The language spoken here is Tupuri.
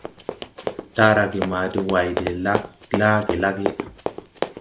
Taarage maa de way de laage lage.